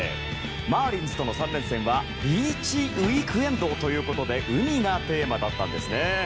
マーリンズとの３連戦はビーチ・ウィークエンドということで海がテーマだったんですね。